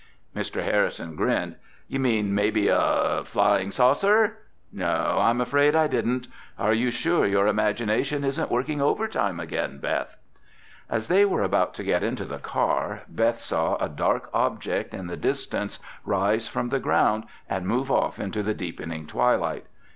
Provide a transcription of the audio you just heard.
Mr. Harrison grinned. "You mean, maybe, a Flying Saucer? No, I'm afraid I didn't. Are you sure your imagination isn't working overtime again, Beth?" As they were about to get into the car, Beth saw a dark object in the distance rise from the ground and move off into the deepening twilight.